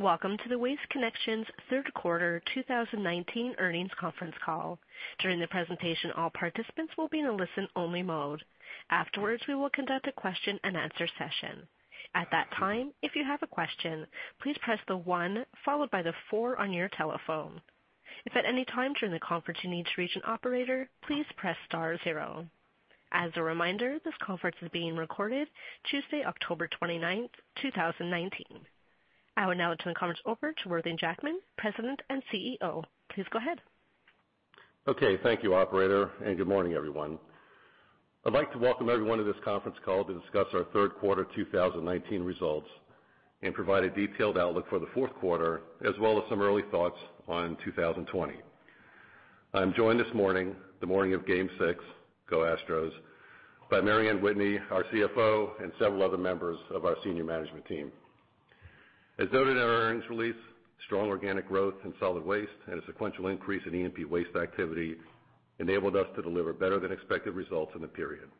Welcome to the Waste Connections third quarter 2019 earnings conference call. During the presentation, all participants will be in a listen-only mode. Afterwards, we will conduct a question and answer session. At that time, if you have a question, please press the one followed by the four on your telephone. If at any time during the conference you need to reach an operator, please press star zero. As a reminder, this conference is being recorded Tuesday, October 29th, 2019. I will now turn the conference over to Worthing Jackman, President and CEO. Please go ahead. Okay, thank you, operator. Good morning, everyone. I'd like to welcome everyone to this conference call to discuss our third quarter 2019 results and provide a detailed outlook for the fourth quarter, as well as some early thoughts on 2020. I'm joined this morning, the morning of Game 6, go Astros, by Mary Anne Whitney, our CFO, and several other members of our senior management team. As noted in our earnings release, strong organic growth in solid waste and a sequential increase in E&P waste activity enabled us to deliver better than expected results in the period.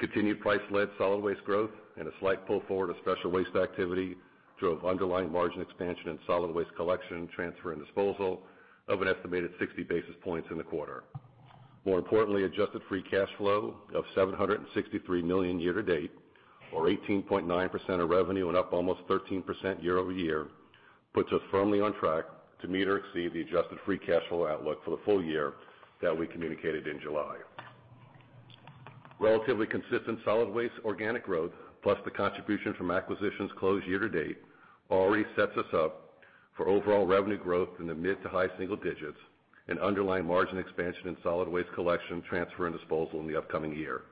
Continued price-led solid waste growth and a slight pull forward of special waste activity drove underlying margin expansion in solid waste collection, transfer, and disposal of an estimated 60 basis points in the quarter. More importantly, adjusted free cash flow of $763 million year to date, or 18.9% of revenue and up almost 13% year-over-year, puts us firmly on track to meet or exceed the adjusted free cash flow outlook for the full year that we communicated in July. Relatively consistent solid waste organic growth, plus the contribution from acquisitions closed year to date, already sets us up for overall revenue growth in the mid-to-high single digits and underlying margin expansion in solid waste collection, transfer, and disposal in the upcoming year,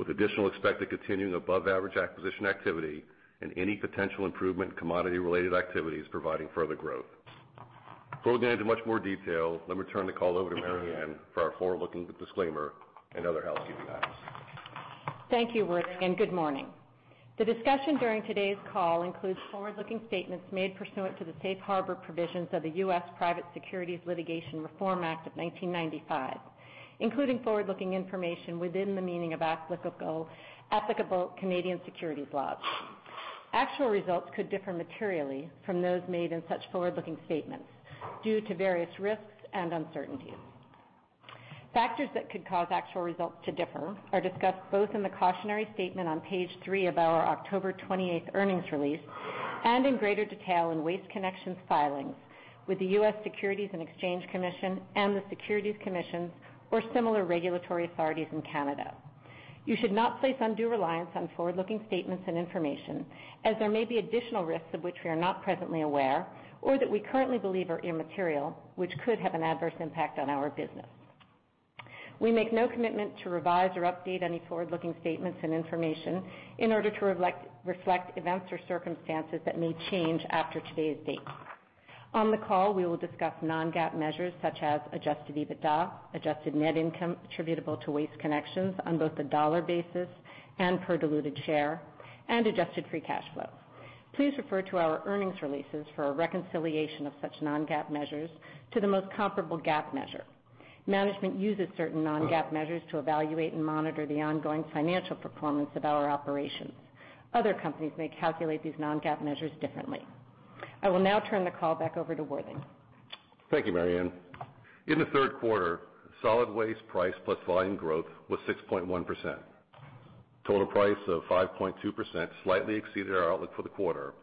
with additional expected continuing above average acquisition activity and any potential improvement in commodity-related activities providing further growth. Before we get into much more detail, let me turn the call over to Mary Anne for our forward-looking disclaimer and other housekeeping items. Thank you, Worthing, and good morning. The discussion during today's call includes forward-looking statements made pursuant to the Safe Harbor Provisions of the U.S. Private Securities Litigation Reform Act of 1995, including forward-looking information within the meaning of applicable Canadian securities laws. Actual results could differ materially from those made in such forward-looking statements due to various risks and uncertainties. Factors that could cause actual results to differ are discussed both in the cautionary statement on page three of our October 28th earnings release and in greater detail in Waste Connections's filings with the U.S. Securities and Exchange Commission and the Securities Commission or similar regulatory authorities in Canada. You should not place undue reliance on forward-looking statements and information, as there may be additional risks of which we are not presently aware or that we currently believe are immaterial, which could have an adverse impact on our business. We make no commitment to revise or update any forward-looking statements and information in order to reflect events or circumstances that may change after today's date. On the call, we will discuss non-GAAP measures such as adjusted EBITDA, adjusted net income attributable to Waste Connections on both a dollar basis and per diluted share, and adjusted free cash flow. Please refer to our earnings releases for a reconciliation of such non-GAAP measures to the most comparable GAAP measure. Management uses certain non-GAAP measures to evaluate and monitor the ongoing financial performance of our operations. Other companies may calculate these non-GAAP measures differently. I will now turn the call back over to Worthing. Thank you, Mary Anne. In the third quarter, solid waste price plus volume growth was 6.1%. Total price of 5.2% slightly exceeded our outlook for the quarter.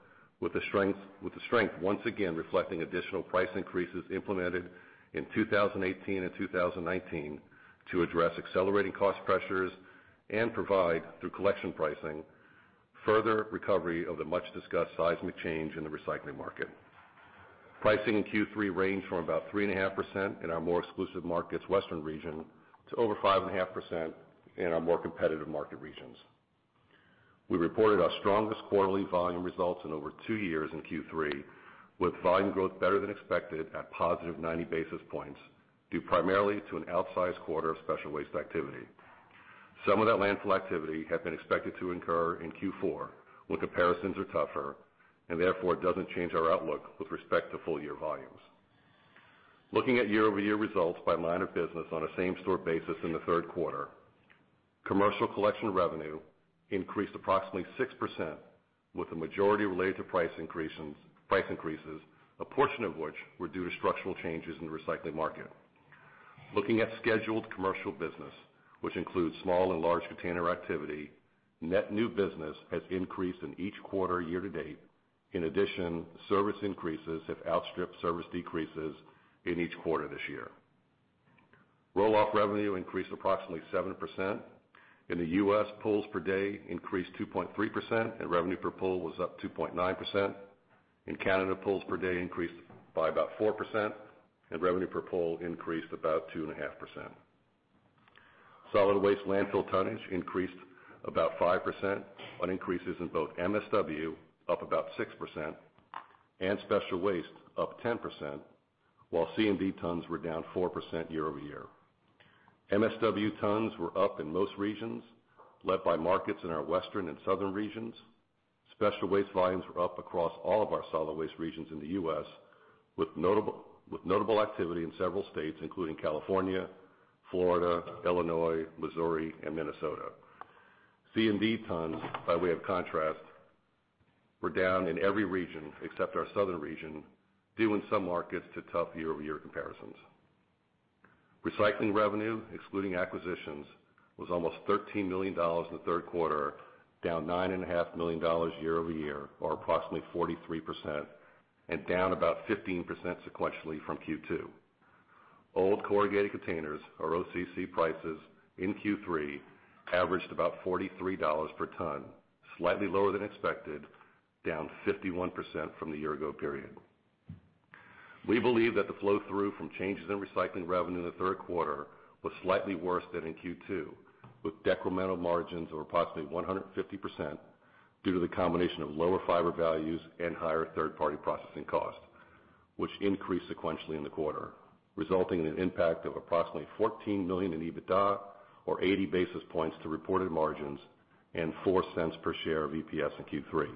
With the strength once again reflecting additional price increases implemented in 2018 and 2019 to address accelerating cost pressures and provide, through collection pricing, further recovery of the much-discussed seismic change in the recycling market. Pricing in Q3 ranged from about 3.5% in our more exclusive markets western region, to over 5.5% in our more competitive market regions. We reported our strongest quarterly volume results in over two years in Q3, with volume growth better than expected at positive 90 basis points, due primarily to an outsized quarter of special waste activity. Some of that landfill activity had been expected to incur in Q4, where comparisons are tougher, therefore it doesn't change our outlook with respect to full year volumes. Looking at year-over-year results by line of business on a same-store basis in the third quarter, commercial collection revenue increased approximately 6%, with the majority related to price increases, a portion of which were due to structural changes in the recycling market. Looking at scheduled commercial business, which includes small and large container activity, net new business has increased in each quarter year to date. Service increases have outstripped service decreases in each quarter this year. Roll-off revenue increased approximately 7%. In the U.S., pulls per day increased 2.3%, and revenue per pull was up 2.9%. In Canada, pulls per day increased by about 4%, and revenue per pull increased about 2.5%. Solid waste landfill tonnage increased about 5%, on increases in both MSW, up about 6%, and special waste, up 10%, while C&D tons were down 4% year-over-year. MSW tons were up in most regions, led by markets in our western and southern regions. Special waste volumes were up across all of our solid waste regions in the U.S., with notable activity in several states, including California, Florida, Illinois, Missouri, and Minnesota. C&D tons, by way of contrast, were down in every region except our southern region, due in some markets to tough year-over-year comparisons. Recycling revenue, excluding acquisitions, was almost $13 million in the third quarter, down $9.5 million year-over-year, or approximately 43%, and down about 15% sequentially from Q2. Old corrugated containers, or OCC prices, in Q3 averaged about $43 per ton, slightly lower than expected, down 51% from the year ago period. We believe that the flow-through from changes in recycling revenue in the third quarter was slightly worse than in Q2, with decremental margins of approximately 150% due to the combination of lower fiber values and higher third-party processing costs, which increased sequentially in the quarter, resulting in an impact of approximately $14 million in EBITDA or 80 basis points to reported margins and $0.04 per share of EPS in Q3.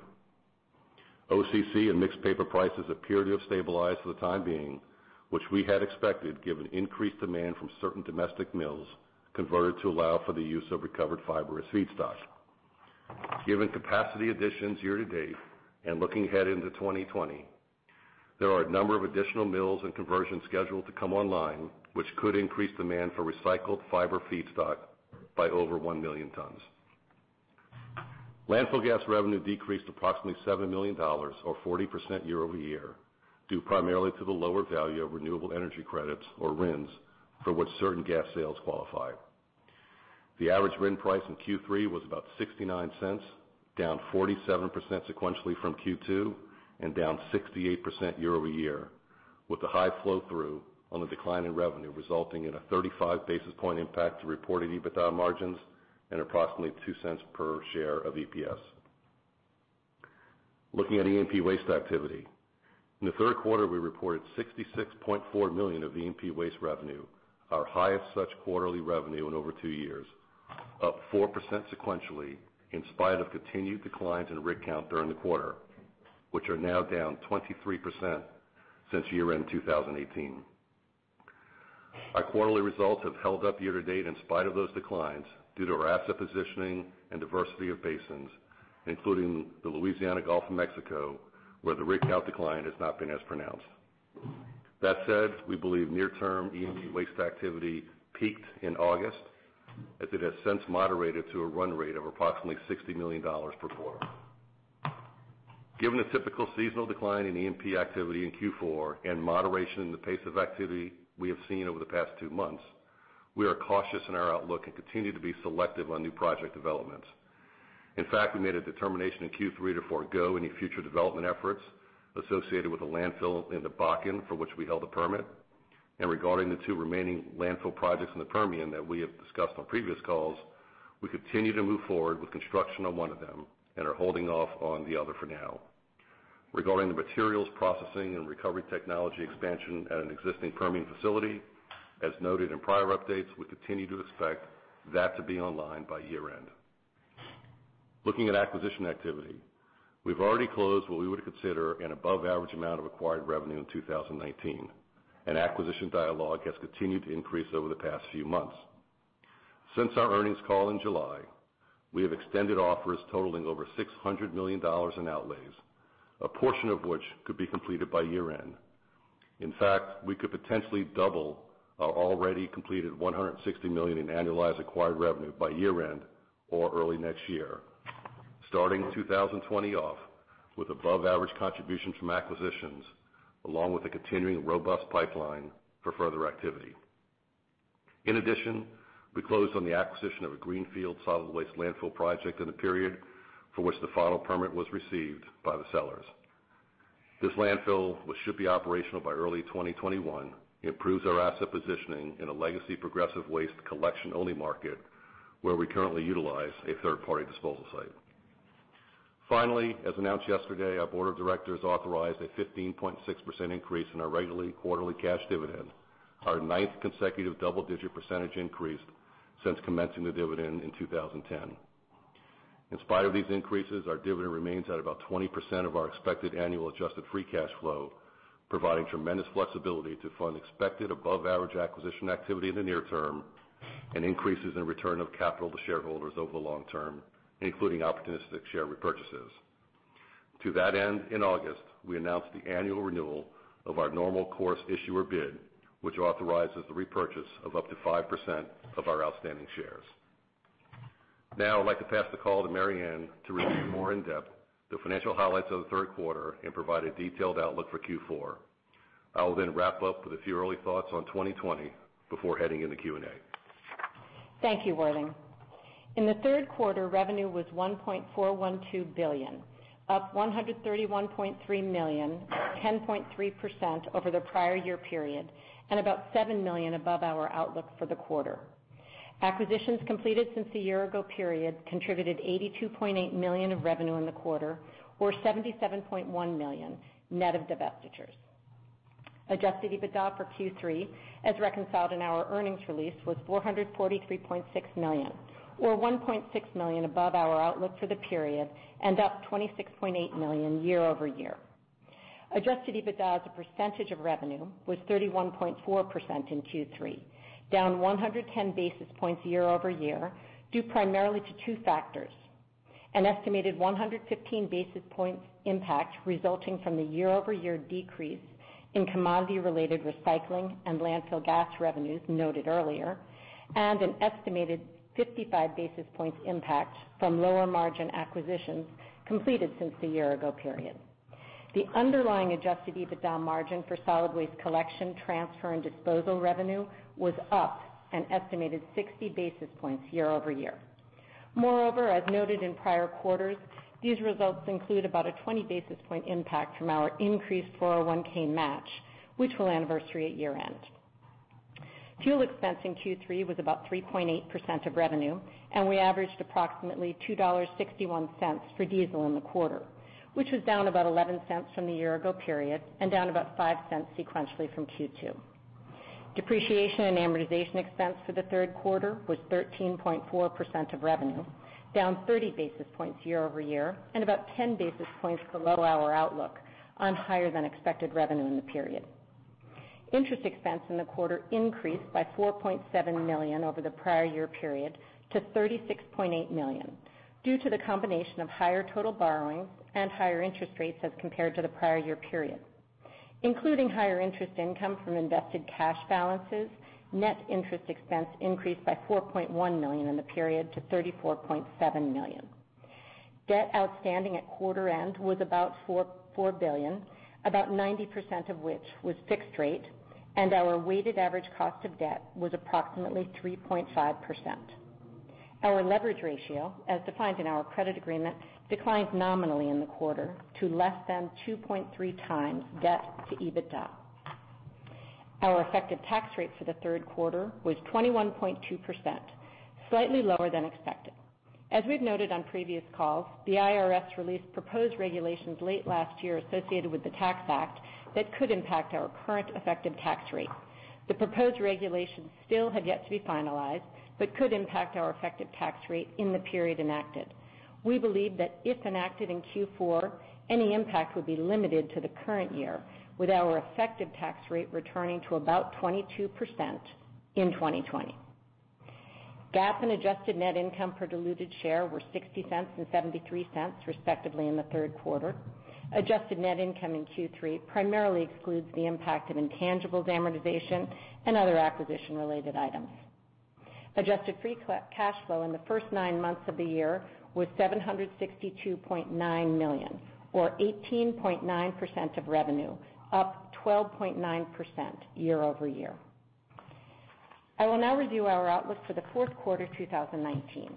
OCC and mixed paper prices appear to have stabilized for the time being, which we had expected given increased demand from certain domestic mills converted to allow for the use of recovered fiber as feedstock. Given capacity additions year to date and looking ahead into 2020, there are a number of additional mills and conversions scheduled to come online, which could increase demand for recycled fiber feedstock by over 1 million tons. Landfill gas revenue decreased approximately $7 million or 40% year-over-year, due primarily to the lower value of renewable energy credits, or RINs, for which certain gas sales qualify. The average RIN price in Q3 was about $0.69, down 47% sequentially from Q2 and down 68% year-over-year, with a high flow-through on the decline in revenue resulting in a 35 basis point impact to reported EBITDA margins and approximately $0.02 per share of EPS. Looking at E&P waste activity. In the third quarter, we reported $66.4 million of E&P waste revenue, our highest such quarterly revenue in over two years, up 4% sequentially in spite of continued declines in rig count during the quarter, which are now down 23% since year-end 2018. Our quarterly results have held up year-to-date in spite of those declines due to our asset positioning and diversity of basins, including the Louisiana Gulf of Mexico, where the rig count decline has not been as pronounced. That said, we believe near-term E&P waste activity peaked in August, as it has since moderated to a run rate of approximately $60 million per quarter. Given the typical seasonal decline in E&P activity in Q4 and moderation in the pace of activity we have seen over the past two months, we are cautious in our outlook and continue to be selective on new project developments. In fact, we made a determination in Q3 to forgo any future development efforts associated with a landfill in the Bakken for which we held a permit. Regarding the two remaining landfill projects in the Permian that we have discussed on previous calls, we continue to move forward with construction on one of them and are holding off on the other for now. Regarding the materials processing and recovery technology expansion at an existing Permian facility, as noted in prior updates, we continue to expect that to be online by year end. Looking at acquisition activity. We've already closed what we would consider an above-average amount of acquired revenue in 2019, and acquisition dialogue has continued to increase over the past few months. Since our earnings call in July, we have extended offers totaling over $600 million in outlays, a portion of which could be completed by year end. In fact, we could potentially double our already completed $160 million in annualized acquired revenue by year end or early next year, starting 2020 off with above-average contributions from acquisitions, along with a continuing robust pipeline for further activity. In addition, we closed on the acquisition of a greenfield solid waste landfill project in the period for which the final permit was received by the sellers. This landfill, which should be operational by early 2021, improves our asset positioning in a legacy Progressive Waste collection-only market where we currently utilize a third-party disposal site. Finally, as announced yesterday, our board of directors authorized a 15.6% increase in our quarterly cash dividend, our ninth consecutive double-digit percentage increase since commencing the dividend in 2010. In spite of these increases, our dividend remains at about 20% of our expected annual adjusted free cash flow, providing tremendous flexibility to fund expected above-average acquisition activity in the near term and increases in return of capital to shareholders over the long term, including opportunistic share repurchases. To that end, in August, we announced the annual renewal of our Normal Course Issuer Bid, which authorizes the repurchase of up to 5% of our outstanding shares. Now I'd like to pass the call to Mary Anne to review more in depth the financial highlights of the third quarter and provide a detailed outlook for Q4. I will then wrap up with a few early thoughts on 2020 before heading into Q&A. Thank you, Worthing. In the third quarter, revenue was $1.412 billion, up $131.3 million or 10.3% over the prior year period and about $7 million above our outlook for the quarter. Acquisitions completed since the year-ago period contributed $82.8 million of revenue in the quarter, or $77.1 million net of divestitures. Adjusted EBITDA for Q3, as reconciled in our earnings release, was $443.6 million, or $1.6 million above our outlook for the period and up $26.8 million year-over-year. Adjusted EBITDA as a percentage of revenue was 31.4% in Q3, down 110 basis points year-over-year, due primarily to two factors: an estimated 115 basis points impact resulting from the year-over-year decrease in commodity-related recycling and landfill gas revenues noted earlier, and an estimated 55 basis points impact from lower margin acquisitions completed since the year-ago period. The underlying adjusted EBITDA margin for solid waste collection, transfer, and disposal revenue was up an estimated 60 basis points year-over-year. Moreover, as noted in prior quarters, these results include about a 20 basis point impact from our increased 401 match, which will anniversary at year-end. Fuel expense in Q3 was about 3.8% of revenue, and we averaged approximately $2.61 for diesel in the quarter, which was down about $0.11 from the year-ago period and down about $0.05 sequentially from Q2. Depreciation and amortization expense for the third quarter was 13.4% of revenue, down 30 basis points year-over-year and about 10 basis points below our outlook on higher-than-expected revenue in the period. Interest expense in the quarter increased by $4.7 million over the prior year period to $36.8 million, due to the combination of higher total borrowings and higher interest rates as compared to the prior year period. Including higher interest income from invested cash balances, net interest expense increased by $4.1 million in the period to $34.7 million. Debt outstanding at quarter-end was about $4 billion, about 90% of which was fixed rate, and our weighted average cost of debt was approximately 3.5%. Our leverage ratio, as defined in our credit agreement, declined nominally in the quarter to less than 2.3 times debt to EBITDA. Our effective tax rate for the third quarter was 21.2%, slightly lower than expected. As we've noted on previous calls, the IRS released proposed regulations late last year associated with the Tax Act that could impact our current effective tax rate. The proposed regulations still have yet to be finalized, but could impact our effective tax rate in the period enacted. We believe that if enacted in Q4, any impact would be limited to the current year, with our effective tax rate returning to about 22% in 2020. GAAP and adjusted net income per diluted share were $0.60 and $0.73, respectively, in the third quarter. Adjusted net income in Q3 primarily excludes the impact of intangibles amortization and other acquisition-related items. Adjusted free cash flow in the first nine months of the year was $762.9 million, or 18.9% of revenue, up 12.9% year-over-year. I will now review our outlook for the fourth quarter 2019.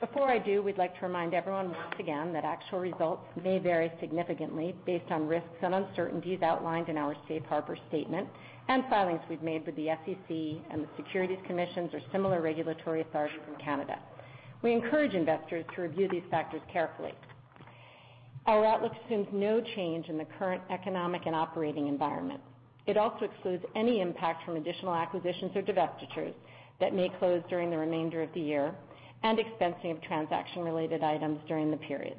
Before I do, we'd like to remind everyone once again that actual results may vary significantly based on risks and uncertainties outlined in our safe harbor statement and filings we've made with the SEC and the securities commissions or similar regulatory authorities in Canada. We encourage investors to review these factors carefully. Our outlook assumes no change in the current economic and operating environment. It also excludes any impact from additional acquisitions or divestitures that may close during the remainder of the year and expensing of transaction-related items during the period.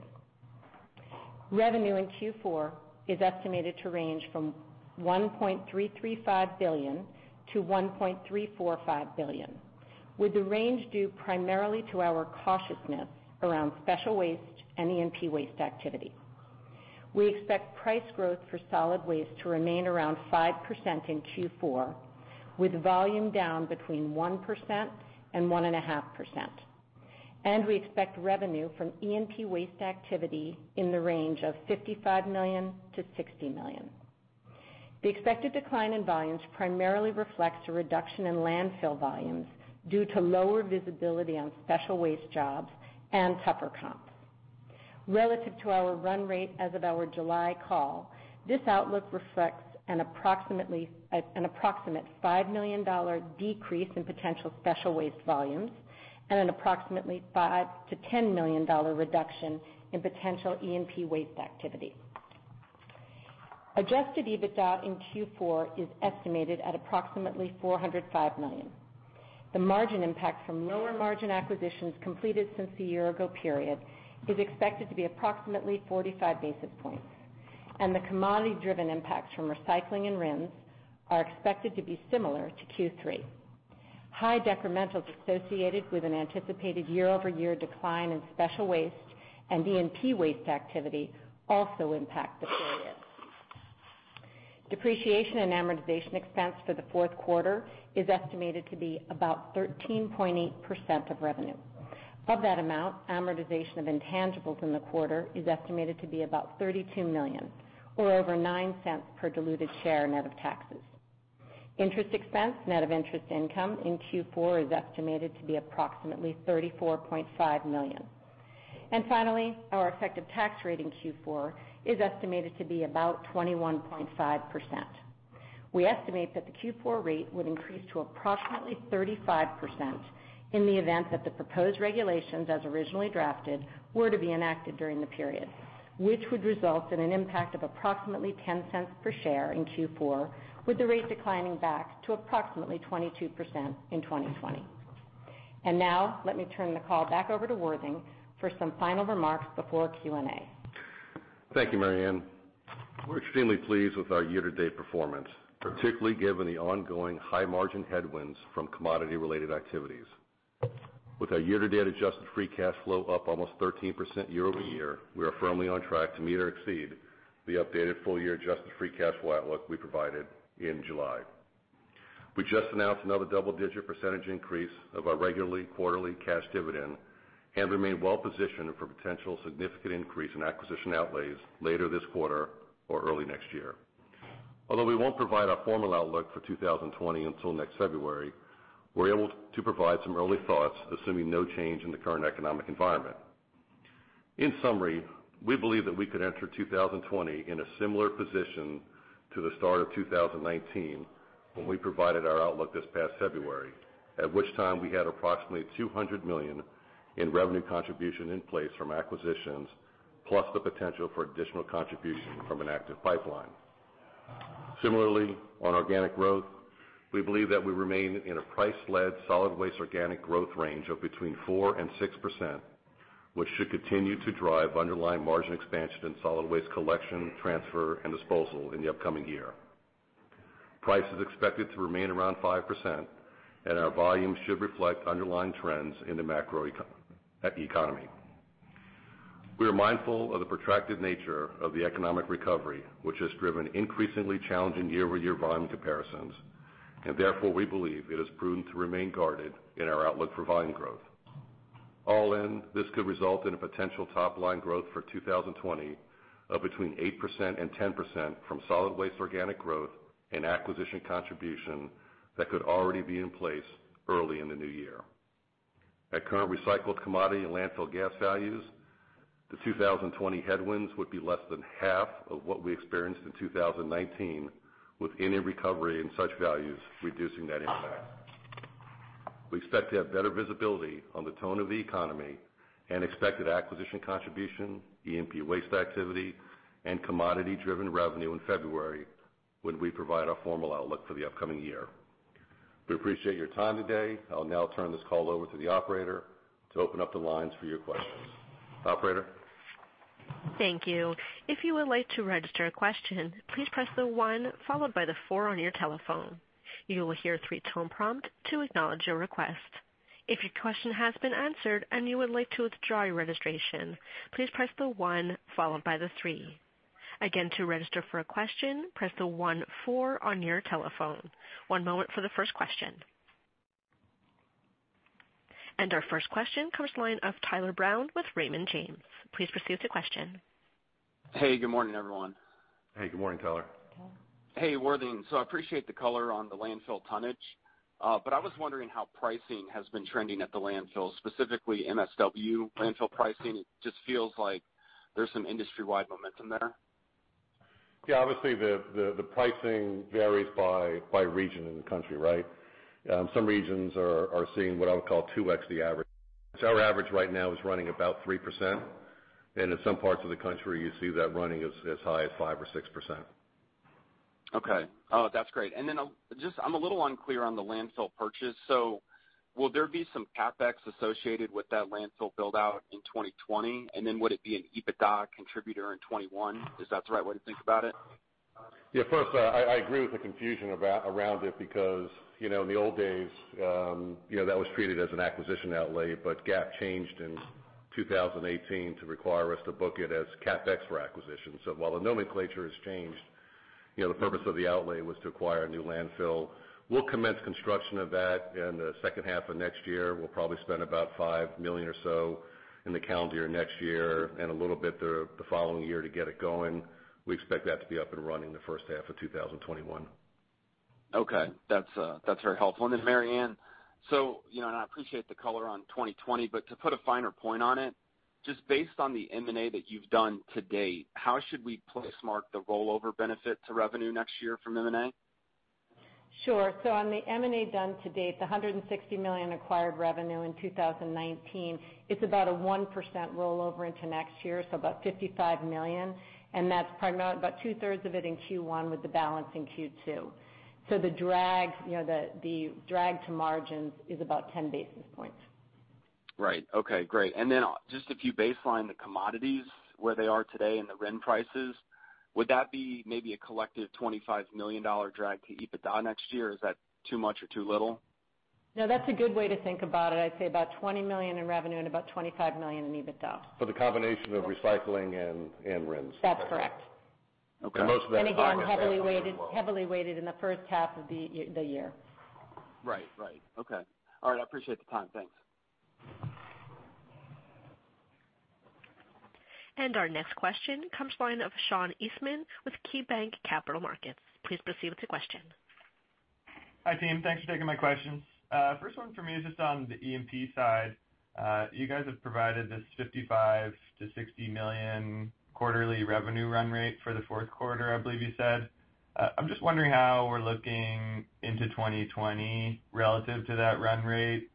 Revenue in Q4 is estimated to range from $1.335 billion-$1.345 billion, with the range due primarily to our cautiousness around special waste and E&P waste activity. We expect price growth for solid waste to remain around 5% in Q4, with volume down between 1% and 1.5%. We expect revenue from E&P waste activity in the range of $55 million-$60 million. The expected decline in volumes primarily reflects a reduction in landfill volumes due to lower visibility on special waste jobs and tougher comps. Relative to our run rate as of our July call, this outlook reflects an approximate $5 million decrease in potential special waste volumes and an approximately $5 million-$10 million reduction in potential E&P waste activity. Adjusted EBITDA in Q4 is estimated at approximately $405 million. The margin impact from lower-margin acquisitions completed since the year-ago period is expected to be approximately 45 basis points, and the commodity-driven impacts from recycling and RINs are expected to be similar to Q3. High decrementals associated with an anticipated year-over-year decline in special waste and E&P waste activity also impact the period. Depreciation and amortization expense for the fourth quarter is estimated to be about 13.8% of revenue. Of that amount, amortization of intangibles in the quarter is estimated to be about $32 million, or over $0.09 per diluted share net of taxes. Interest expense net of interest income in Q4 is estimated to be approximately $34.5 million. Finally, our effective tax rate in Q4 is estimated to be about 21.5%. We estimate that the Q4 rate would increase to approximately 35% in the event that the proposed regulations as originally drafted were to be enacted during the period, which would result in an impact of approximately $0.10 per share in Q4, with the rate declining back to approximately 22% in 2020. Now let me turn the call back over to Worthing for some final remarks before Q&A. Thank you, Mary Anne. We're extremely pleased with our year-to-date performance, particularly given the ongoing high margin headwinds from commodity-related activities. With our year-to-date adjusted free cash flow up almost 13% year-over-year, we are firmly on track to meet or exceed the updated full year adjusted free cash flow outlook we provided in July. We just announced another double-digit percentage increase of our regularly quarterly cash dividend and remain well-positioned for potential significant increase in acquisition outlays later this quarter or early next year. Although we won't provide our formal outlook for 2020 until next February, we're able to provide some early thoughts, assuming no change in the current economic environment. In summary, we believe that we could enter 2020 in a similar position to the start of 2019, when we provided our outlook this past February, at which time we had approximately $200 million in revenue contribution in place from acquisitions, plus the potential for additional contribution from an active pipeline. Similarly, on organic growth, we believe that we remain in a price-led solid waste organic growth range of between 4% and 6%, which should continue to drive underlying margin expansion in solid waste collection, transfer, and disposal in the upcoming year. Price is expected to remain around 5%, and our volume should reflect underlying trends in the macro economy. We are mindful of the protracted nature of the economic recovery, which has driven increasingly challenging year-over-year volume comparisons, and therefore, we believe it is prudent to remain guarded in our outlook for volume growth. All in, this could result in a potential top-line growth for 2020 of between 8% and 10% from solid waste organic growth and acquisition contribution that could already be in place early in the new year. At current recycled commodity and landfill gas values, the 2020 headwinds would be less than half of what we experienced in 2019, with any recovery in such values reducing that impact. We expect to have better visibility on the tone of the economy and expected acquisition contribution, E&P waste activity, and commodity-driven revenue in February, when we provide our formal outlook for the upcoming year. We appreciate your time today. I'll now turn this call over to the operator to open up the lines for your questions. Operator? Thank you. If you would like to register a question, please press the 1 followed by the 4 on your telephone. You will hear a 3-tone prompt to acknowledge your request. If your question has been answered and you would like to withdraw your registration, please press the 1 followed by the 3. Again, to register for a question, press the 1 4 on your telephone. One moment for the first question. Our first question comes the line of Tyler Brown with Raymond James. Please proceed with your question. Hey, good morning, everyone. Hey. Good morning, Tyler. Tyler. Hey, Worthing. I appreciate the color on the landfill tonnage. I was wondering how pricing has been trending at the landfills, specifically MSW landfill pricing. It just feels like there's some industry-wide momentum there. Yeah, obviously the pricing varies by region in the country, right? Some regions are seeing what I would call 2x the average. Our average right now is running about 3%, and in some parts of the country, you see that running as high as 5% or 6%. Okay. Oh, that's great. I'm a little unclear on the landfill purchase. Will there be some CapEx associated with that landfill build-out in 2020? Would it be an EBITDA contributor in 2021? Is that the right way to think about it? First, I agree with the confusion around it because in the old days that was treated as an acquisition outlay, but GAAP changed in 2018 to require us to book it as CapEx for acquisitions. While the nomenclature has changed, the purpose of the outlay was to acquire a new landfill. We'll commence construction of that in the second half of next year. We'll probably spend about $5 million or so in the calendar year next year and a little bit the following year to get it going. We expect that to be up and running the first half of 2021. Okay. That's very helpful. Mary Anne, I appreciate the color on 2020, to put a finer point on it, just based on the M&A that you've done to date, how should we place mark the rollover benefit to revenue next year from M&A? Sure. On the M&A done to date, the $160 million acquired revenue in 2019, it's about a 1% rollover into next year, about $55 million, and that's predominantly about two-thirds of it in Q1 with the balance in Q2. The drag to margins is about 10 basis points. Right. Okay, great. Just if you baseline the commodities, where they are today and the RIN prices, would that be maybe a collective $25 million drag to EBITDA next year, or is that too much or too little? No, that's a good way to think about it. I'd say about $20 million in revenue and about $25 million in EBITDA. For the combination of recycling and RINs. That's correct. Okay. And most of that- Again, heavily weighted in the first half of the year. Right. Okay. All right. I appreciate the time. Thanks. Our next question comes the line of Sean Eastman with KeyBanc Capital Markets. Please proceed with your question. Hi, team. Thanks for taking my questions. First one for me is just on the E&P side. You guys have provided this $55 million-$60 million quarterly revenue run rate for the fourth quarter, I believe you said. I'm just wondering how we're looking into 2020 relative to that run rate.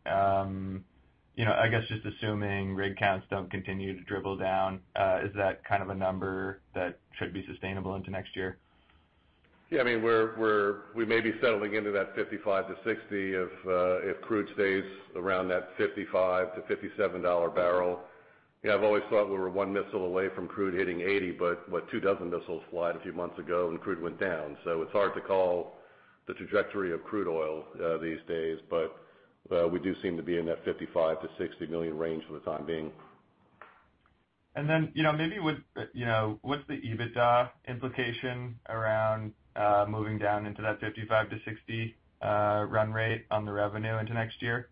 I guess just assuming rig counts don't continue to dribble down, is that kind of a number that should be sustainable into next year? Yeah, we may be settling into that 55-60 if crude stays around that $55-$57 a barrel. I've always thought we were one missile away from crude hitting 80, what two dozen missiles flew a few months ago and crude went down. It's hard to call the trajectory of crude oil these days. We do seem to be in that 55 million-60 million range for the time being. Maybe what's the EBITDA implication around moving down into that 55 to 60 run rate on the revenue into next year?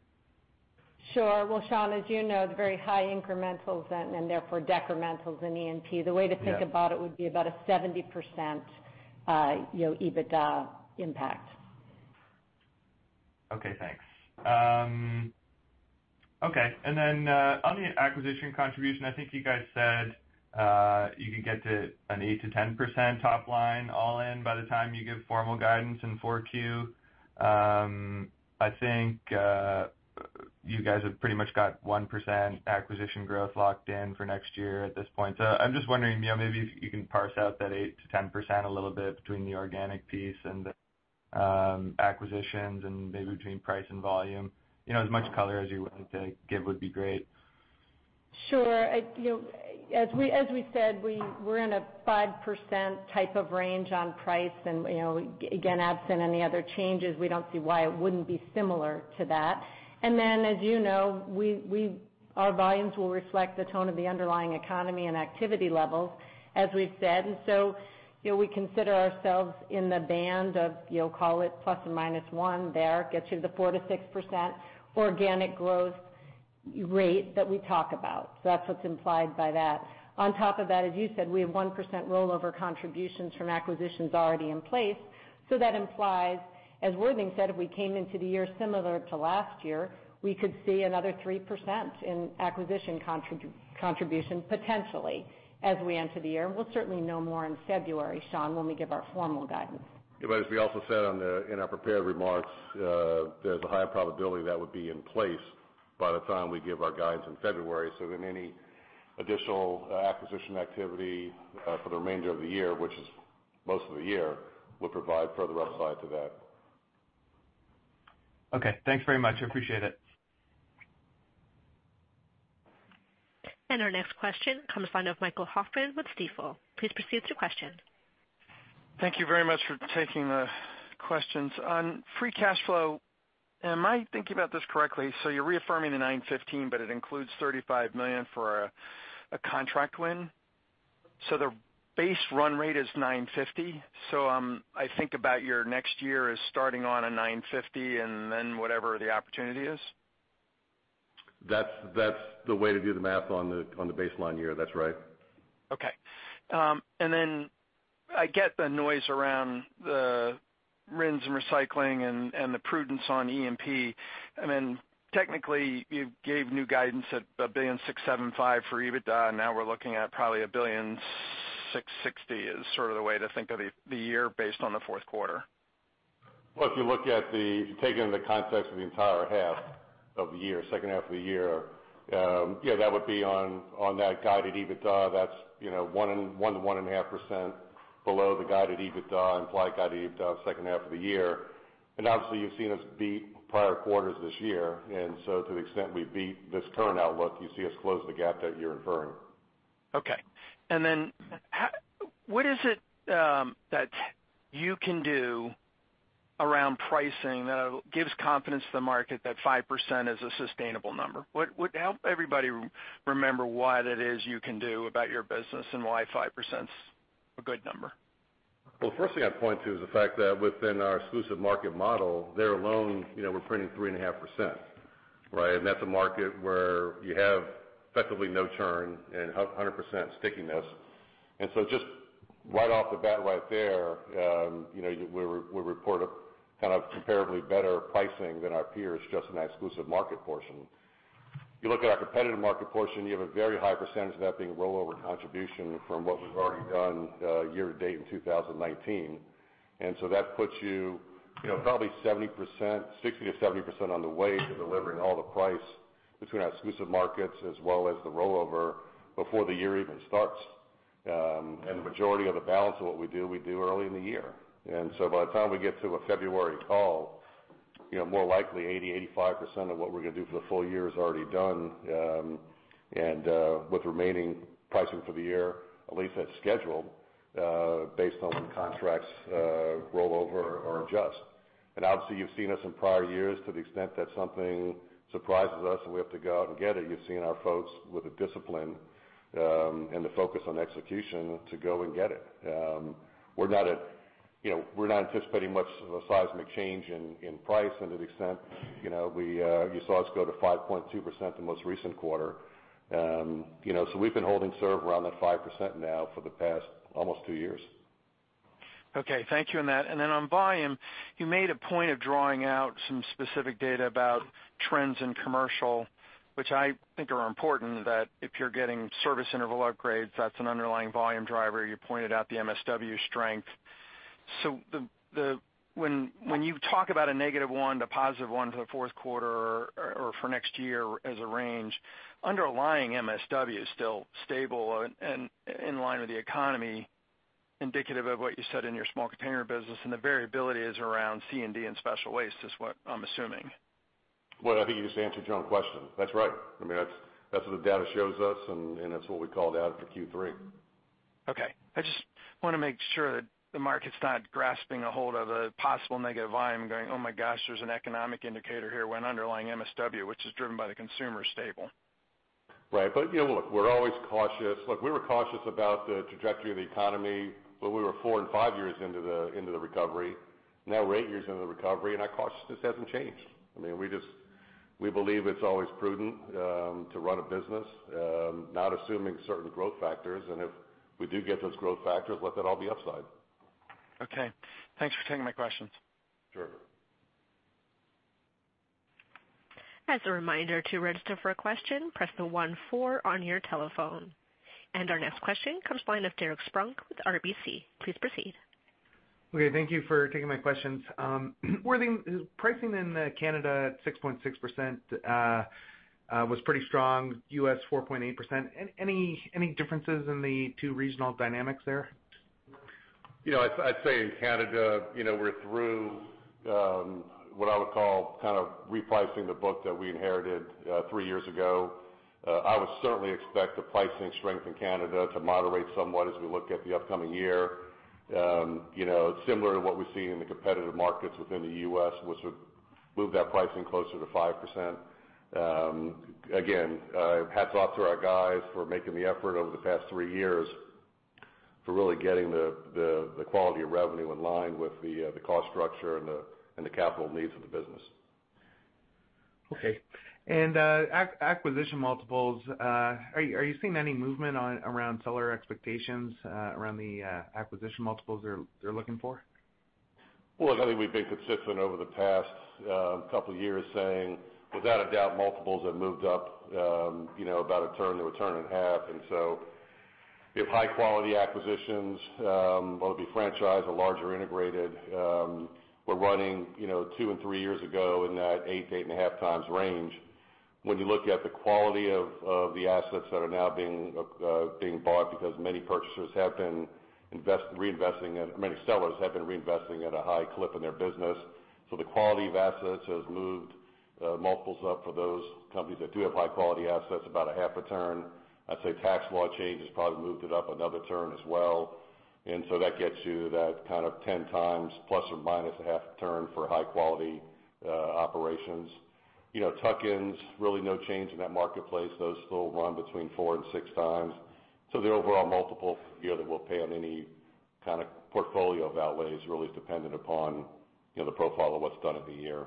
Sure. Well, Sean, as you know, the very high incrementals and therefore decrementals in E&P. Yeah. The way to think about it would be about a 70% EBITDA impact. Okay, thanks. On the acquisition contribution, I think you guys said you could get to an 8%-10% top line all-in by the time you give formal guidance in 4Q. I think you guys have pretty much got 1% acquisition growth locked in for next year at this point. I'm just wondering, maybe if you can parse out that 8%-10% a little bit between the organic piece and the acquisitions and maybe between price and volume. As much color as you're willing to give would be great. Sure. As we said, we're in a 5% type of range on price. Again, absent any other changes, we don't see why it wouldn't be similar to that. Then, as you know, our volumes will reflect the tone of the underlying economy and activity levels, as we've said. We consider ourselves in the band of, call it plus or minus one there, gets you to the 4%-6% organic growth rate that we talk about. That's what's implied by that. On top of that, as you said, we have 1% rollover contributions from acquisitions already in place. That implies, as Worthing said, if we came into the year similar to last year, we could see another 3% in acquisition contribution potentially as we enter the year. We'll certainly know more in February, Sean, when we give our formal guidance. As we also said in our prepared remarks, there's a high probability that would be in place by the time we give our guidance in February. Any additional acquisition activity for the remainder of the year, which is most of the year, will provide further upside to that. Okay, thanks very much. I appreciate it. Our next question comes from the line of Michael Hoffman with Stifel. Please proceed with your question. Thank you very much for taking the questions. On free cash flow, am I thinking about this correctly? You're reaffirming the $915, but it includes $35 million for a contract win. The base run rate is $950. I think about your next year as starting on a $950, and then whatever the opportunity is? That's the way to do the math on the baseline year. That's right. Okay. I get the noise around the RINs and recycling and the prudence on E&P. Technically, you gave new guidance at $1.675 billion for EBITDA, and now we're looking at probably $1.660 billion is sort of the way to think of the year based on the fourth quarter. Well, if you take it in the context of the entire half of the year, second half of the year, yeah, that would be on that guided EBITDA, that's 1%-1.5% below the guided EBITDA, implied guided EBITDA second half of the year. Obviously, you've seen us beat prior quarters this year. To the extent we beat this current outlook, you see us close the gap that you're inferring. Okay. What is it that you can do around pricing that gives confidence to the market that 5% is a sustainable number? Help everybody remember what it is you can do about your business and why 5% is a good number. Well, the first thing I'd point to is the fact that within our exclusive market model, there alone, we're printing 3.5%. Right? That's a market where you have effectively no churn and 100% stickiness. Just right off the bat right there we report a kind of comparably better pricing than our peers just in that exclusive market portion. You look at our competitive market portion, you have a very high percentage of that being rollover contribution from what we've already done year to date in 2019. That puts you probably 60%-70% on the way to delivering all the price between our exclusive markets as well as the rollover before the year even starts. The majority of the balance of what we do, we do early in the year. By the time we get to a February call, more likely 80%, 85% of what we're going to do for the full year is already done, and with remaining pricing for the year, at least that's scheduled based on contracts rollover or adjust. Obviously you've seen us in prior years to the extent that something surprises us and we have to go out and get it. You've seen our folks with the discipline and the focus on execution to go and get it. We're not anticipating much of a seismic change in price to the extent you saw us go to 5.2% the most recent quarter. We've been holding serve around that 5% now for the past almost two years. Okay, thank you on that. On volume, you made a point of drawing out some specific data about trends in commercial, which I think are important, that if you're getting service interval upgrades, that's an underlying volume driver. You pointed out the MSW strength. When you talk about a -1% to +1% for the fourth quarter or for next year as a range, underlying MSW is still stable and in line with the economy, indicative of what you said in your small container business, and the variability is around C&D and special waste is what I'm assuming. Well, I think you just answered your own question. That's right. That's what the data shows us, and that's what we called out for Q3. Okay. I just want to make sure that the market's not grasping a hold of a possible negative volume and going, "Oh my gosh, there's an economic indicator here when underlying MSW, which is driven by the consumer, is stable. Right. Look, we're always cautious. Look, we were cautious about the trajectory of the economy when we were four and five years into the recovery. Now we're eight years into the recovery. Our cautiousness hasn't changed. We believe it's always prudent to run a business not assuming certain growth factors. If we do get those growth factors, let that all be upside. Okay. Thanks for taking my questions. Sure. As a reminder, to register for a question, press the one four on your telephone. Our next question comes from the line of Derek Spronck with RBC. Please proceed. Okay, thank you for taking my questions. Worthing, pricing in Canada at 6.6% was pretty strong, U.S. 4.8%. Any differences in the two regional dynamics there? I'd say in Canada, we're through what I would call repricing the book that we inherited three years ago. I would certainly expect the pricing strength in Canada to moderate somewhat as we look at the upcoming year. Similar to what we've seen in the competitive markets within the U.S., which would move that pricing closer to 5%. Again, hats off to our guys for making the effort over the past three years for really getting the quality of revenue in line with the cost structure and the capital needs of the business. Okay. Acquisition multiples, are you seeing any movement around seller expectations around the acquisition multiples they're looking for? I think we've been consistent over the past couple of years saying, without a doubt, multiples have moved up about a turn to a turn and a half. If high-quality acquisitions, whether it be franchise or larger integrated, were running two and three years ago in that 8-8.5x range. When you look at the quality of the assets that are now being bought because many sellers have been reinvesting at a high clip in their business. The quality of assets has moved multiples up for those companies that do have high-quality assets about a half a turn. I'd say tax law change has probably moved it up another turn as well. That gets you that kind of 10x plus or minus a half turn for high-quality operations. Tuck-ins, really no change in that marketplace. Those still run between four and six times. The overall multiple that we'll pay on any kind of portfolio of outlays really is dependent upon the profile of what's done in the year.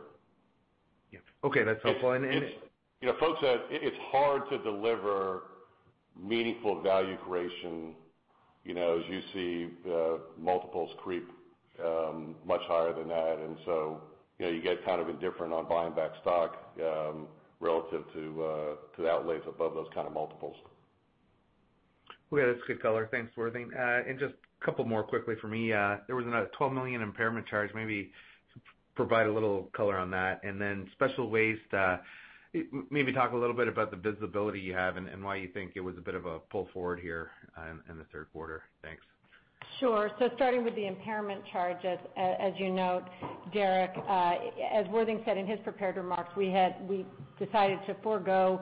Yeah. Okay, that's helpful. Folks, it's hard to deliver meaningful value creation as you see multiples creep much higher than that. You get kind of indifferent on buying back stock relative to outlays above those kind of multiples. Okay, that's good color. Thanks, Worthing. Just a couple more quickly for me. There was a $12 million impairment charge. Maybe provide a little color on that. Then special waste, maybe talk a little bit about the visibility you have and why you think it was a bit of a pull forward here in the third quarter. Thanks. Sure. Starting with the impairment charges, as you note, Derek, as Worthing said in his prepared remarks, we decided to forego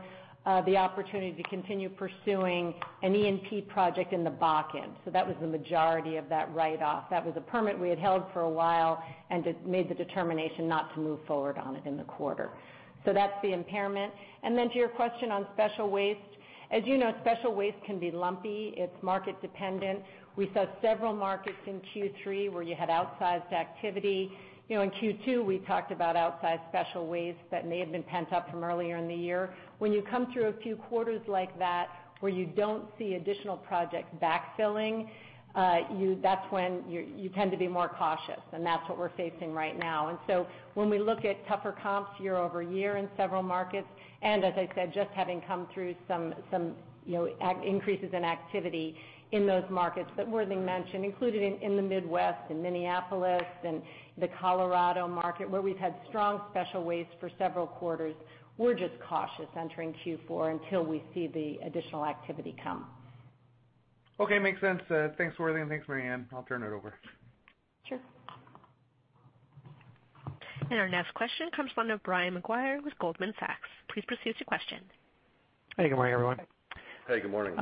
the opportunity to continue pursuing an E&P project in the Bakken. That was the majority of that write-off. That was a permit we had held for a while, and just made the determination not to move forward on it in the quarter. That's the impairment. To your question on special waste, as you know, special waste can be lumpy. It's market dependent. We saw several markets in Q3 where you had outsized activity. In Q2, we talked about outsized special waste that may have been pent up from earlier in the year. When you come through a few quarters like that where you don't see additional projects backfilling, that's when you tend to be more cautious. That's what we're facing right now. When we look at tougher comps year-over-year in several markets, and as I said, just having come through some increases in activity in those markets that Worthing mentioned, included in the Midwest, in Minneapolis, and the Colorado market where we've had strong special waste for several quarters. We're just cautious entering Q4 until we see the additional activity come. Okay, makes sense. Thanks, Worthing, and thanks, Mary Anne. I'll turn it over. Sure. Our next question comes from the line of Brian Maguire with Goldman Sachs. Please proceed with your question. Hey, good morning, everyone. Hey, good morning.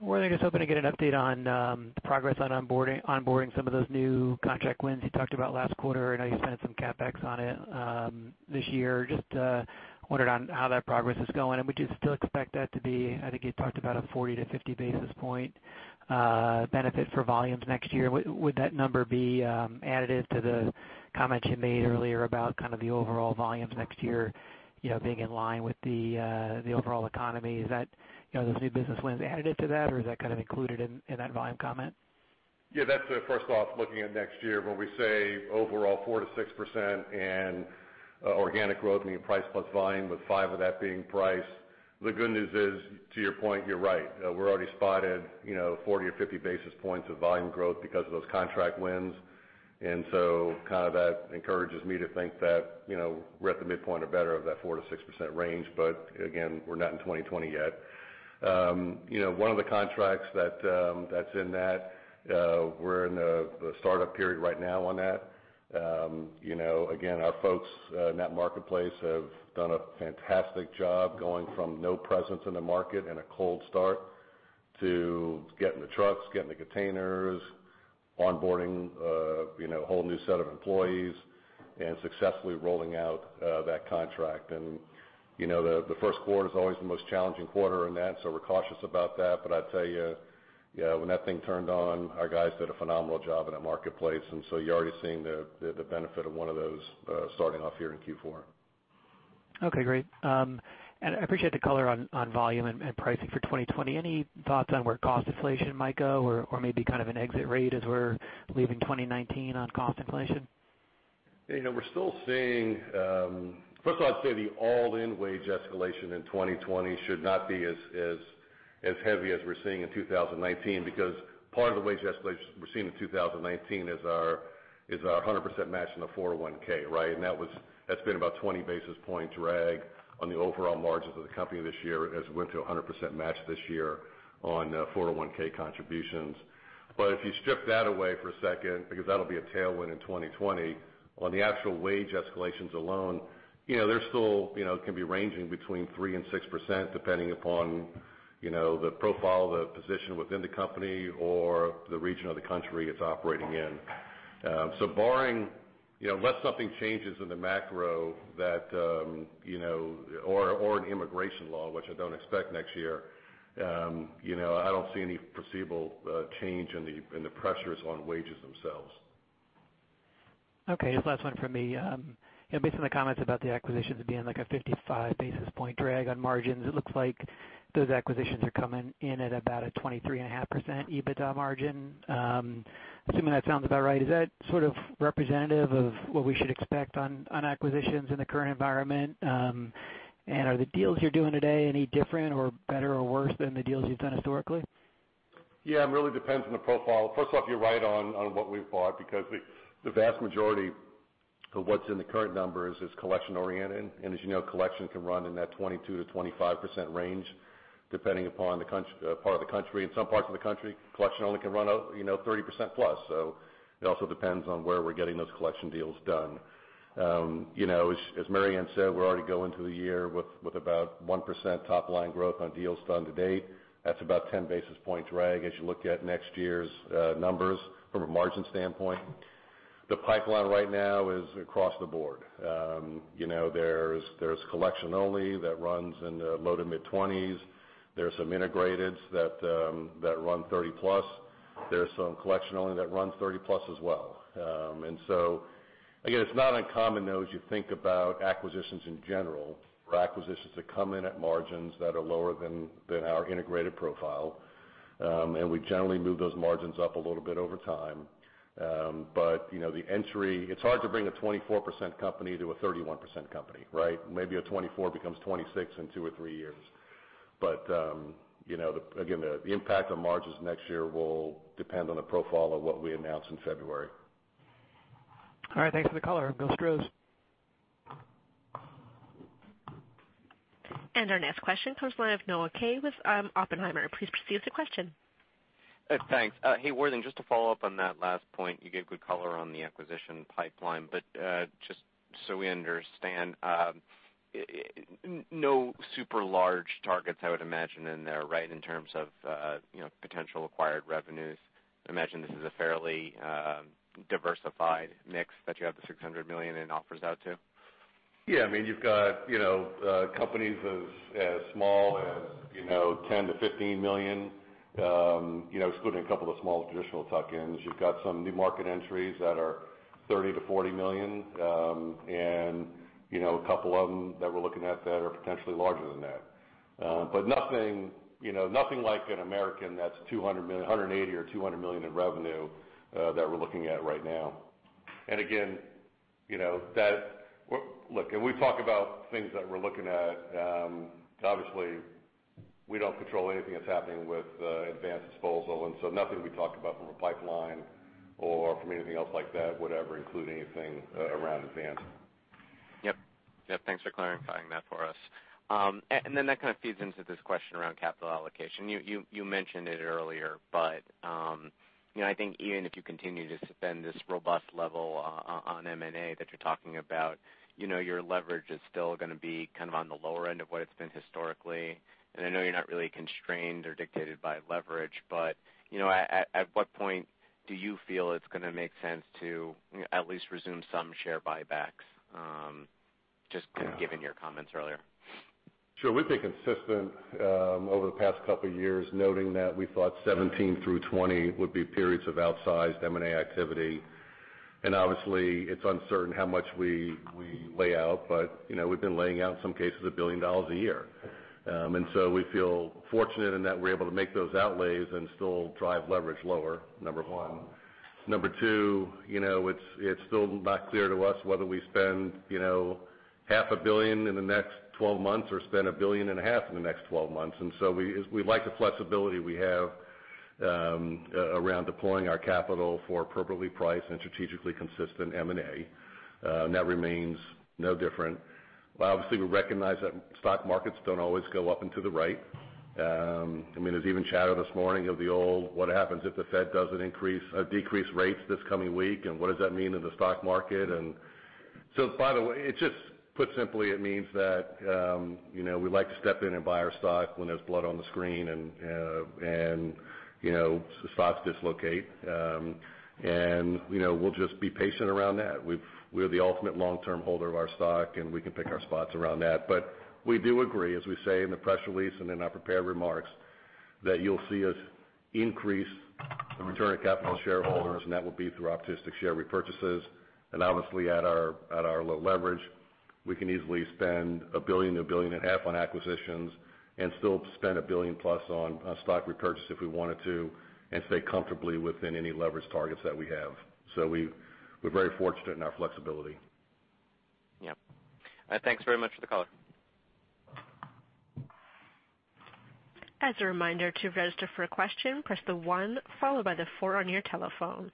Worthing, I was hoping to get an update on the progress on onboarding some of those new contract wins you talked about last quarter. I know you spent some CapEx on it this year. Just wondered on how that progress is going, and would you still expect that to be, I think you talked about a 40 to 50 basis point benefit for volumes next year. Would that number be additive to the comments you made earlier about kind of the overall volumes next year being in line with the overall economy? Is those new business wins additive to that, or is that kind of included in that volume comment? Yeah, that's it. First off, looking at next year, when we say overall 4% to 6% organic growth meaning price plus volume, with 5 of that being price. The good news is, to your point, you're right. We're already spotted 40 or 50 basis points of volume growth because of those contract wins. That encourages me to think that we're at the midpoint or better of that 4% to 6% range. Again, we're not in 2020 yet. One of the contracts that's in that, we're in the startup period right now on that. Again, our folks in that marketplace have done a fantastic job going from no presence in the market and a cold start to getting the trucks, getting the containers, onboarding a whole new set of employees, and successfully rolling out that contract. The first quarter is always the most challenging quarter in that, so we're cautious about that. I'd tell you, when that thing turned on, our guys did a phenomenal job in that marketplace, and so you're already seeing the benefit of one of those starting off here in Q4. Okay, great. I appreciate the color on volume and pricing for 2020. Any thoughts on where cost inflation might go, or maybe kind of an exit rate as we're leaving 2019 on cost inflation? I'd say the all-in wage escalation in 2020 should not be as heavy as we're seeing in 2019. Part of the wage escalation we're seeing in 2019 is our 100% match in the 401. That's been about 20 basis point drag on the overall margins of the company this year as we went to 100% match this year on 401 contributions. If you strip that away for a second, because that'll be a tailwind in 2020, on the actual wage escalations alone, they still can be ranging between 3% and 6%, depending upon the profile, the position within the company, or the region of the country it's operating in. Unless something changes in the macro or in immigration law, which I don't expect next year, I don't see any foreseeable change in the pressures on wages themselves. Okay, this is the last one from me. Based on the comments about the acquisitions being like a 55 basis point drag on margins, it looks like those acquisitions are coming in at about a 23.5% EBITDA margin. I'm assuming that sounds about right. Is that sort of representative of what we should expect on acquisitions in the current environment? Are the deals you're doing today any different or better or worse than the deals you've done historically? It really depends on the profile. First off, you're right on what we've bought, because the vast majority of what's in the current numbers is collection-oriented. As you know, collection can run in that 22%-25% range, depending upon the part of the country. In some parts of the country, collection only can run 30% plus. It also depends on where we're getting those collection deals done. As Mary Anne said, we already go into the year with about 1% top-line growth on deals done to date. That's about 10 basis points drag as you look at next year's numbers from a margin standpoint. The pipeline right now is across the board. There's collection only that runs in the low to mid-20s. There are some integrated that run 30 plus. There's some collection only that runs 30 plus as well. Again, it's not uncommon, though, as you think about acquisitions in general, for acquisitions to come in at margins that are lower than our integrated profile. We generally move those margins up a little bit over time. The entry, it's hard to bring a 24% company to a 31% company. Maybe a 24 becomes 26 in two or three years. Again, the impact on margins next year will depend on the profile of what we announce in February. All right. Thanks for the color. Go Astros. Our next question comes line of Noah Kaye with Oppenheimer. Please proceed with the question. Thanks. Hey, Worthington, just to follow up on that last point, you gave good color on the acquisition pipeline. Just so we understand, no super large targets, I would imagine, in there in terms of potential acquired revenues. I imagine this is a fairly diversified mix that you have the $600 million in offers out to. You've got companies as small as $10 million-$15 million excluding a couple of small traditional tuck-ins. You've got some new market entries that are $30 million-$40 million, and a couple of them that we're looking at that are potentially larger than that. Nothing like an American that's $180 million or $200 million in revenue that we're looking at right now. Again, look, we talk about things that we're looking at. Obviously, we don't control anything that's happening with Advanced Disposal, nothing we talk about from a pipeline or from anything else like that would ever include anything around Advanced. Yep. Thanks for clarifying that for us. Then that kind of feeds into this question around capital allocation. You mentioned it earlier, but I think even if you continue to spend this robust level on M&A that you're talking about, your leverage is still going to be kind of on the lower end of what it's been historically. I know you're not really constrained or dictated by leverage, but at what point do you feel it's going to make sense to at least resume some share buybacks, just given your comments earlier? Sure. We've been consistent over the past couple of years, noting that we thought 2017 through 2020 would be periods of outsized M&A activity. Obviously, it's uncertain how much we lay out, but we've been laying out, in some cases, $1 billion a year. We feel fortunate in that we're able to make those outlays and still drive leverage lower, number one. Number two, it's still not clear to us whether we spend half a billion in the next 12 months or spend a billion and a half in the next 12 months. We like the flexibility we have around deploying our capital for appropriately priced and strategically consistent M&A. That remains no different. Obviously, we recognize that stock markets don't always go up and to the right. There's even chatter this morning of the old, "What happens if the Fed doesn't decrease rates this coming week, and what does that mean in the stock market?" By the way, just put simply, it means that we like to step in and buy our stock when there's blood on the screen and stocks dislocate. We'll just be patient around that. We're the ultimate long-term holder of our stock, and we can pick our spots around that. We do agree, as we say in the press release and in our prepared remarks, that you'll see us increase the return of capital to shareholders, and that will be through opportunistic share repurchases. Obviously, at our low leverage, we can easily spend $1 billion to $1.5 billion on acquisitions and still spend $1 billion-plus on stock repurchase if we wanted to, and stay comfortably within any leverage targets that we have. We're very fortunate in our flexibility. Yeah. Thanks very much for the call. As a reminder, to register for a question, press the one followed by the four on your telephone.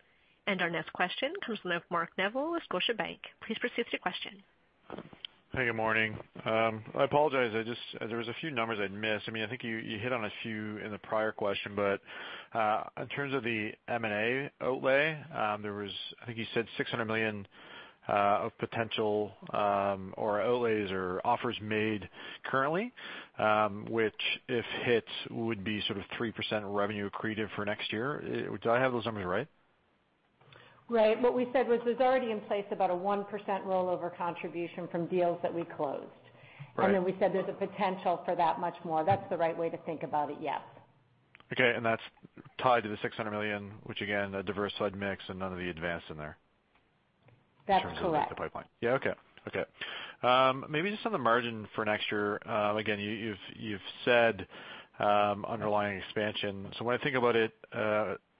Our next question comes from Mark Neville of Scotiabank. Please proceed with your question. Hey, good morning. I apologize, there was a few numbers I'd missed. I think you hit on a few in the prior question, but, in terms of the M&A outlay, there was, I think you said $600 million of potential, or outlays or offers made currently, which if hit would be sort of 3% revenue accretive for next year. Do I have those numbers right? Right. What we said was there's already in place about a 1% rollover contribution from deals that we closed. Right. Then we said there's a potential for that much more. That's the right way to think about it, yes. Okay, that's tied to the $600 million, which again, a diversified mix and none of the Advanced in there. That's correct. in terms of the pipeline. Yeah. Okay. Maybe just on the margin for next year. Again, you've said underlying expansion. When I think about it,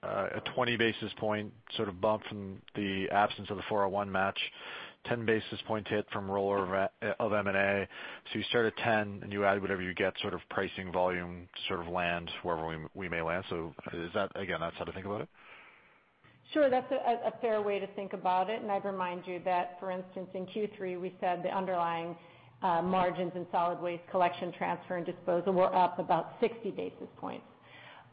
a 20 basis point sort of bump from the absence of the 401(k) match, 10 basis point hit from rollover of M&A. You start at 10 and you add whatever you get, sort of pricing volume, sort of land wherever we may land. Is that, again, that's how to think about it? Sure, that's a fair way to think about it. I'd remind you that, for instance, in Q3, we said the underlying margins in solid waste collection, transfer, and disposal were up about 60 basis points.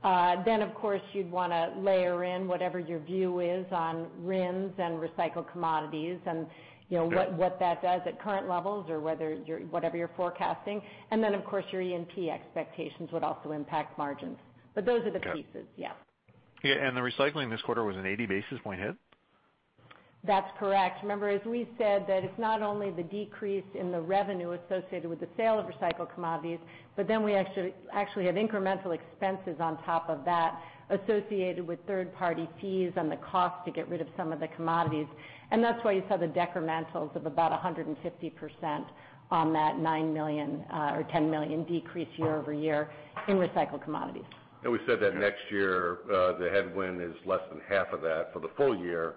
Of course, you'd want to layer in whatever your view is on RINs and recycled commodities and what that does at current levels or whatever you're forecasting. Of course, your E&P expectations would also impact margins. Those are the pieces. Got it. Yeah. Yeah, and the recycling this quarter was an 80 basis point hit? That's correct. Remember, as we said, that it's not only the decrease in the revenue associated with the sale of recycled commodities, but then we actually have incremental expenses on top of that associated with third-party fees and the cost to get rid of some of the commodities. That's why you saw the decrementals of about 150% on that $9 million or $10 million decrease year-over-year in recycled commodities. We said that next year, the headwind is less than half of that for the full year,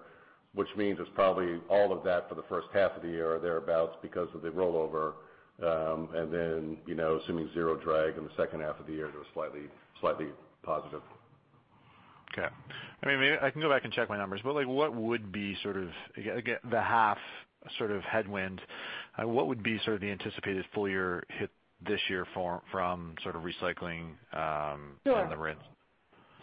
which means it's probably all of that for the first half of the year or thereabouts because of the rollover. Then, assuming zero drag in the second half of the year, it was slightly positive. Okay. I can go back and check my numbers, what would be sort of, again, the half sort of headwind, what would be sort of the anticipated full-year hit this year from sort of recycling? Sure The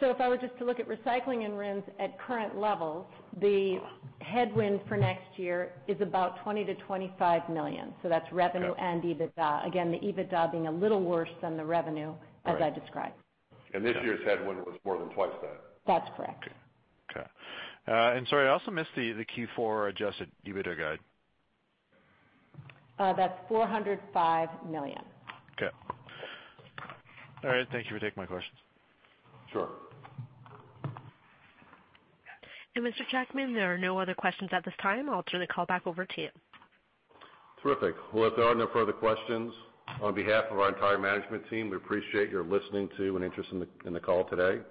RINs? If I were just to look at recycling and RINs at current levels, the headwind for next year is about $20 million-$25 million. That's revenue and EBITDA. Again, the EBITDA being a little worse than the revenue. Right as I described. This year's headwind was more than twice that. That's correct. Okay. Sorry, I also missed the Q4 adjusted EBITDA guide. That's $405 million. Okay. All right. Thank you for taking my questions. Sure. Mr. Jackman, there are no other questions at this time. I'll turn the call back over to you. Terrific. Well, if there are no further questions, on behalf of our entire management team, we appreciate your listening to and interest in the call today.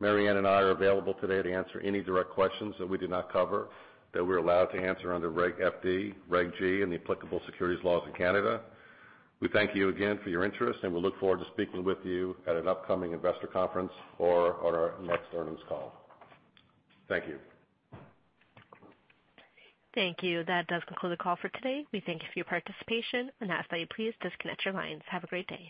Mary Anne and I are available today to answer any direct questions that we did not cover that we're allowed to answer under Regulation FD, Regulation G, and the applicable securities laws in Canada. We thank you again for your interest, and we look forward to speaking with you at an upcoming investor conference or on our next earnings call. Thank you. Thank you. That does conclude the call for today. We thank you for your participation and ask that you please disconnect your lines. Have a great day.